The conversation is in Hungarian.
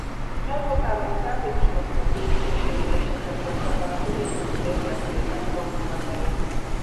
Európában a szándékosan okozott égési sérülések leggyakrabban a középkorú férfiak körében fordulnak elő.